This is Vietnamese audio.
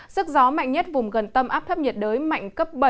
sức gió mạnh nhất vùng gần tâm áp thấp nhiệt đới mạnh cấp bảy